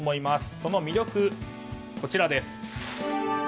その魅力、こちら。